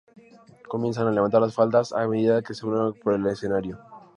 Comienzan a levantar las faldas a medida que deambulan por el escenario.